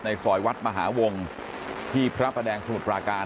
ซอยวัดมหาวงที่พระประแดงสมุทรปราการ